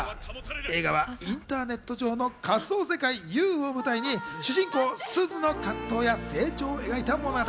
映画はインターネット上の仮想空間Ｕを舞台に、主人公・すずの葛藤や成長を描いた物語。